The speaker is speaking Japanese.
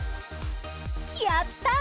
やったー！